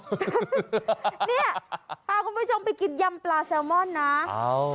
เนี่ยพาคุณผู้ชมไปกินยำปลาแซลมอนนะอ้าว